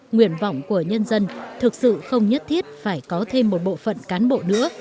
nguyện vọng của nhân dân thực sự không nhất thiết phải có thêm một bộ phận cán bộ nữa